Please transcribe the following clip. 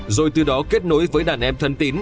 rồi từ đó kết nối với đàn em thân tín